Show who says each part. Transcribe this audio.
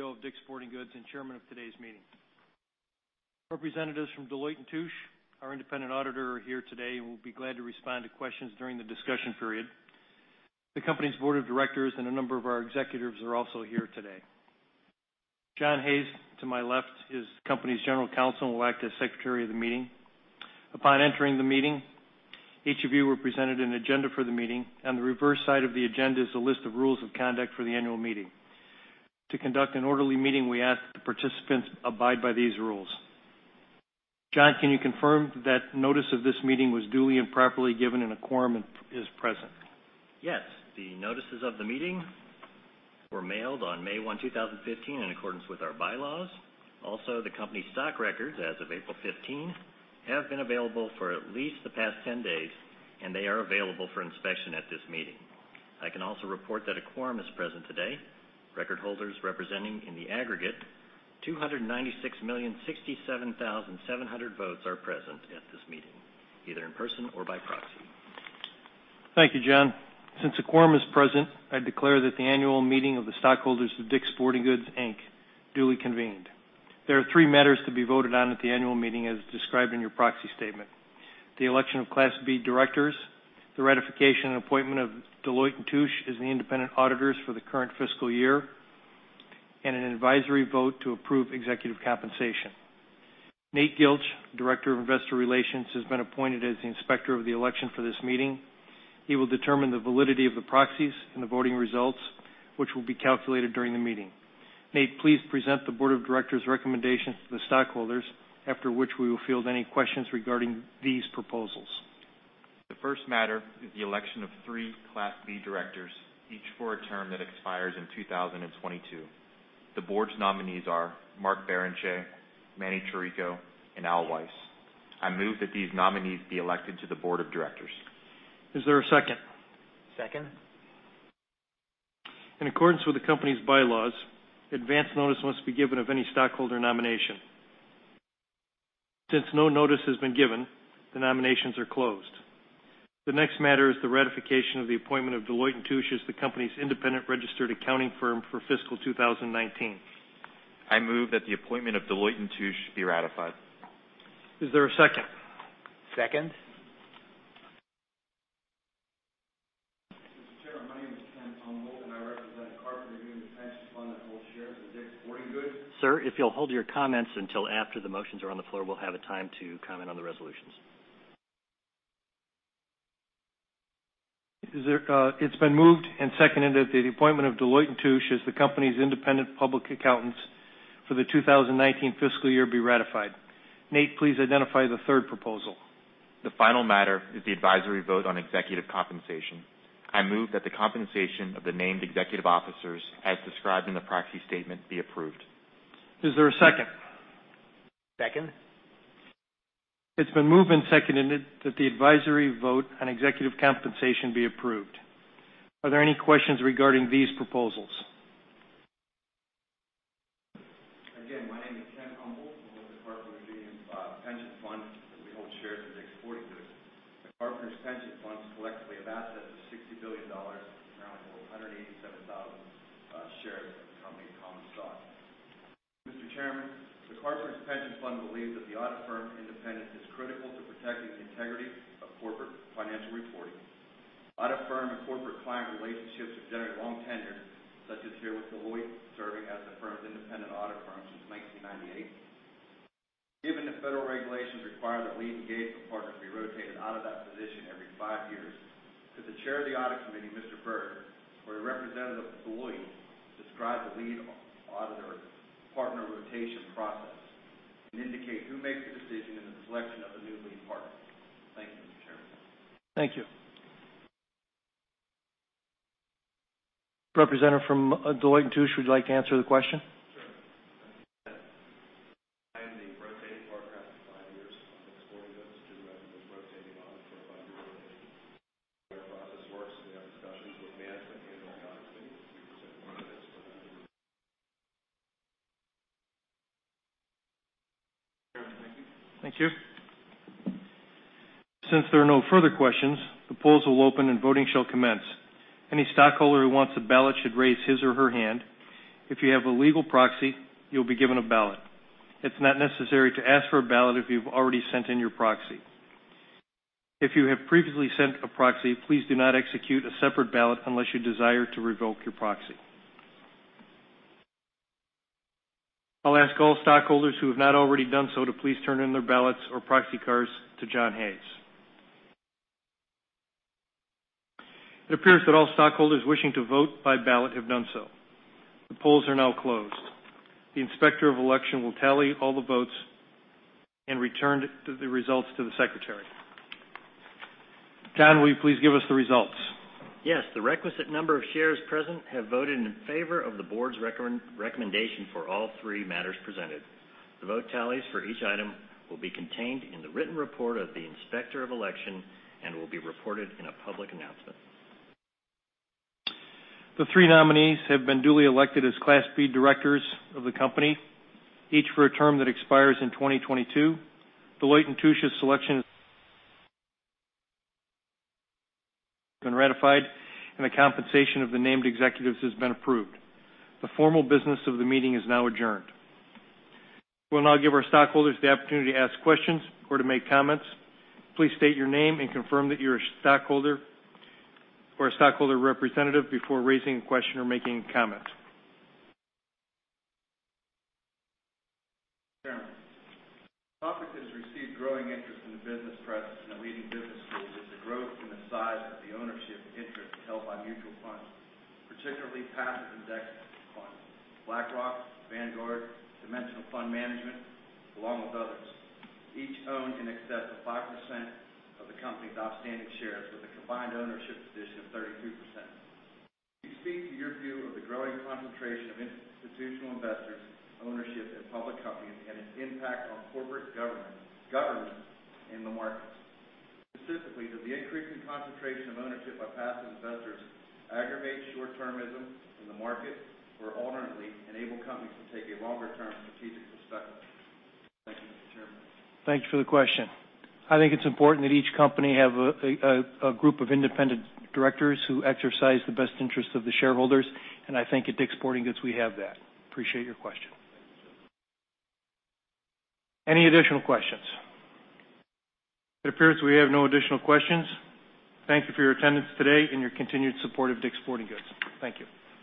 Speaker 1: CEO of DICK'S Sporting Goods and chairman of today's meeting. Representatives from Deloitte & Touche, our independent auditor, are here today and will be glad to respond to questions during the discussion period. The company's board of directors and a number of our executives are also here today. John Hayes, to my left, is the company's general counsel and will act as secretary of the meeting. Upon entering the meeting, each of you were presented an agenda for the meeting. On the reverse side of the agenda is a list of rules of conduct for the annual meeting. To conduct an orderly meeting, we ask that the participants abide by these rules. John, can you confirm that notice of this meeting was duly and properly given and a quorum is present?
Speaker 2: Yes. The notices of the meeting were mailed on May 1, 2015 in accordance with our bylaws. Also, the company stock records as of April 15 have been available for at least the past 10 days, and they are available for inspection at this meeting. I can also report that a quorum is present today. Record holders representing in the aggregate 296,067,700 votes are present at this meeting, either in person or by proxy.
Speaker 1: Thank you, John. Since a quorum is present, I declare that the annual meeting of the stockholders of DICK'S Sporting Goods, Inc. duly convened. There are three matters to be voted on at the annual meeting as described in your proxy statement: the election of Class B directors, the ratification and appointment of Deloitte & Touche as the independent auditors for the current fiscal year, and an advisory vote to approve executive compensation. Nate Gilch, Director of Investor Relations, has been appointed as the inspector of the election for this meeting. He will determine the validity of the proxies and the voting results, which will be calculated during the meeting. Nate, please present the board of directors' recommendations to the stockholders, after which we will field any questions regarding these proposals.
Speaker 3: The first matter is the election of three Class B directors, each for a term that expires in 2022. The board's nominees are Mark Barrenechea, Manny Chirico, and Al Weiss. I move that these nominees be elected to the board of directors.
Speaker 1: Is there a second?
Speaker 2: Second.
Speaker 1: In accordance with the company's bylaws, advance notice must be given of any stockholder nomination. Since no notice has been given, the nominations are closed. The next matter is the ratification of the appointment of Deloitte & Touche as the company's independent registered accounting firm for fiscal 2019.
Speaker 3: I move that the appointment of Deloitte & Touche be ratified.
Speaker 1: Is there a second?
Speaker 2: Second.
Speaker 4: Mr. Chair, my name is Ken Humboldt. I represent Carpenters Union Pension Fund that holds shares in DICK'S Sporting Goods.
Speaker 2: Sir, if you'll hold your comments until after the motions are on the floor, we'll have a time to comment on the resolutions.
Speaker 1: It's been moved and seconded that the appointment of Deloitte & Touche as the company's independent public accountants for the 2019 fiscal year be ratified. Nate, please identify the third proposal.
Speaker 3: The final matter is the advisory vote on executive compensation. I move that the compensation of the named executive officers, as described in the proxy statement, be approved.
Speaker 1: Is there a second?
Speaker 2: Second.
Speaker 1: It's been moved and seconded that the advisory vote on executive compensation be approved. Are there any questions regarding these proposals?
Speaker 4: Again, my name is Ken Humboldt. I'm with the Carpenters Union Pension Fund, and we hold shares in DICK'S Sporting Goods. The Carpenters Pension Fund collectively have assets of $60 billion, and now hold 187,000 shares of the company common stock. Mr. Chairman, the Carpenters Pension Fund believes that the audit firm independence is critical to protecting the integrity of corporate financial reporting. Audit firm and corporate client relationships have generally long tenure, such as here with Deloitte serving as the firm's independent audit firm since 1998. Given that federal regulations require that lead engagement partners be rotated out of that position every five years, could the chair of the audit committee, Mr. Burke, or a representative of Deloitte describe the lead auditor partner rotation process and indicate who makes the decision in the selection of the new lead partner? Thank you, Mr. Chairman.
Speaker 1: Thank you. Representative from Deloitte & Touche, would you like to answer the question?
Speaker 5: Sure. I am the rotating partner after five years of DICK'S Sporting Goods. We rotate the audit for a five-year rotation. Our process works, and we have discussions with Dan from the annual audit team. We present more on this.
Speaker 4: Mr. Chairman, thank you.
Speaker 1: Thank you. Since there are no further questions, the polls will open and voting shall commence. Any stockholder who wants a ballot should raise his or her hand. If you have a legal proxy, you'll be given a ballot. It's not necessary to ask for a ballot if you've already sent in your proxy. If you have previously sent a proxy, please do not execute a separate ballot unless you desire to revoke your proxy. I'll ask all stockholders who have not already done so to please turn in their ballots or proxy cards to John Hayes. It appears that all stockholders wishing to vote by ballot have done so. The polls are now closed. The inspector of election will tally all the votes and return the results to the secretary. John, will you please give us the results?
Speaker 2: Yes. The requisite number of shares present have voted in favor of the board's recommendation for all three matters presented. The vote tallies for each item will be contained in the written report of the inspector of election and will be reported in a public announcement.
Speaker 1: The three nominees have been duly elected as Class B directors of the company, each for a term that expires in 2022. Deloitte & Touche's selection has been ratified, and the compensation of the named executives has been approved. The formal business of the meeting is now adjourned. We'll now give our stockholders the opportunity to ask questions or to make comments. Please state your name and confirm that you're a stockholder or a stockholder representative before raising a question or making a comment.
Speaker 4: Chairman. A topic that has received growing interest in the business press and at leading business schools is the growth in the size of the ownership interest held by mutual funds, particularly passive index funds. BlackRock, Vanguard, Dimensional Fund Advisors, along with others, each own in excess of 5% of the company's outstanding shares with a combined ownership position of 32%. Could you speak to your view of the growing concentration of institutional investors' ownership in public companies and its impact on corporate governance in the markets? Specifically, does the increasing concentration of ownership by passive investors aggravate short-termism in the market or alternately enable companies to take a longer-term strategic perspective? Thank you, Mr. Chairman.
Speaker 1: Thank you for the question. I think it's important that each company have a group of independent directors who exercise the best interest of the shareholders, and I think at DICK'S Sporting Goods, we have that. Appreciate your question.
Speaker 4: Thank you, sir.
Speaker 1: Any additional questions? It appears we have no additional questions. Thank you for your attendance today and your continued support of DICK'S Sporting Goods. Thank you.